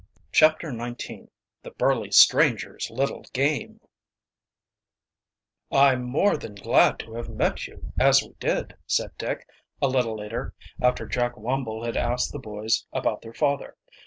CHAPTER XIX THE BURLY STRANGER'S LITTLE GAME "I'm more than glad to have met you as we did," said Dick, a little later, after Jack Wumble had asked the boys about their father.